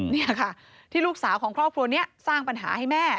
นี่ค่ะที่ลูกสาวของครอบครัวนี้สร้างปัญหาให้แม่